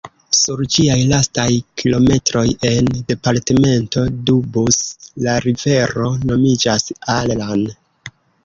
Sur ĝiaj lastaj kilometroj en departemento Doubs la rivero nomiĝas "Allan".